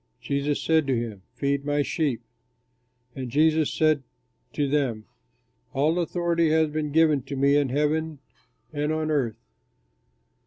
Jesus said to him, "Feed my sheep." And Jesus said to them, "All authority has been given to me in heaven and on earth.